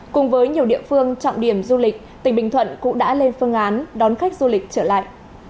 cùng với nhiều địa phương trọng điểm du lịch tỉnh bình thuận cũng đã lên phương án đón khách du lịch trở lại